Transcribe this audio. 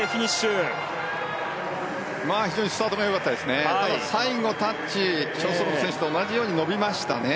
ただ、最後のタッチショーストロム選手と同じように伸びましたね。